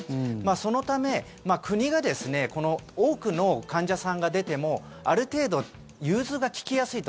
そのため、国が多くの患者さんが出てもある程度、融通が利きやすいと。